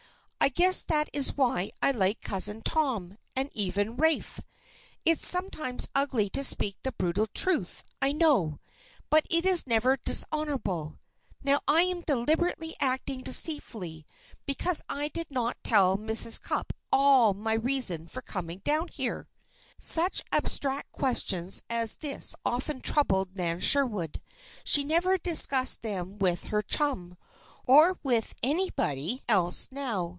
"I guess that is why I like Cousin Tom and even Rafe. It's sometimes ugly to speak the brutal truth, I know. But it is never dishonorable. Now am I deliberately acting deceitfully because I did not tell Mrs. Cupp all my reason for coming down here?" Such abstract questions as this often troubled Nan Sherwood. She never discussed them with her chum, or with anybody else, now.